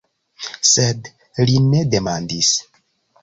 Sed li ne demandis.